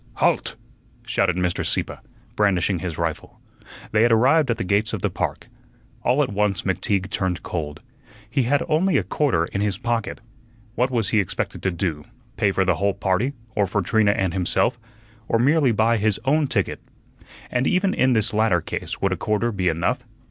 "Halt!" shouted Mr. Sieppe, brandishing his rifle. They had arrived at the gates of the park. All at once McTeague turned cold. He had only a quarter in his pocket. What was he expected to do pay for the whole party, or for Trina and himself, or merely buy his own ticket? And even in this latter case would a quarter be enough?